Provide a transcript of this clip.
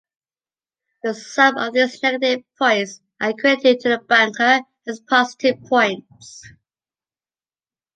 The sum of these negative points are credited to the "banker" as positive points.